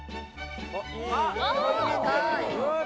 あっ！